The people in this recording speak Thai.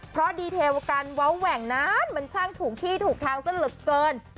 เพราะดีเทลการเว้าแหว่งนั้นมันช่างถูกที่ถูกทางซะเหลือเกิน